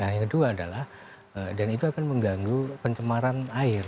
nah yang kedua adalah dan itu akan mengganggu pencemaran air